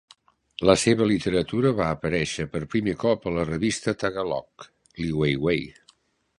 La seva literatura va aparèixer per primer cop a la revista Tagalog, "Liwayway".